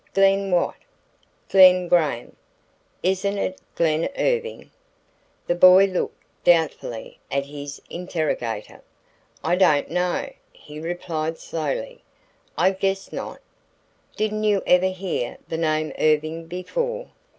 "Glen what?" "Glen Graham." "Isn't it Glen Irving?" The boy looked doubtfully at his interrogator. "I don't know," he replied slowly. "I guess not." "Didn't you ever hear the name Irving before?"